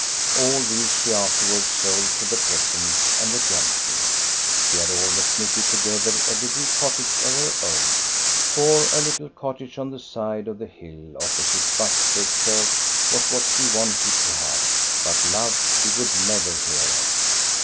All these she afterwards sold to the peasants id the gentry. She had almost knitted together a ;Ie cottage of her own. For a little cottage on the side of the hill opposite Svartsjo church was what she wanted to have. But love she would never hear of.